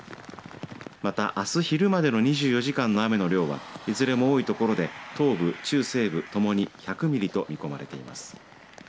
また、あす昼までの２４時間の雨の量はいずれも多いところで東部中西部ともに１００ミリと見込まれています。